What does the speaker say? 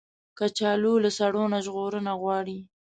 کچالو له سړو نه ژغورنه غواړي